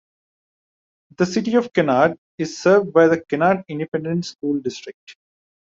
The City of Kennard is served by the Kennard Independent School District.